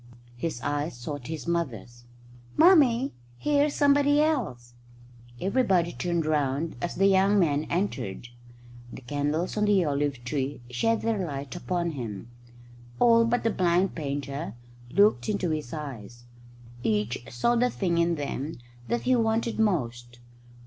His eyes sought his mother's. "Mummy, here's somebody else." Everybody turned round as the young man entered. The candles on the olive tree shed their light upon him. All but the blind painter looked into his eyes. Each saw the thing in them that he wanted most.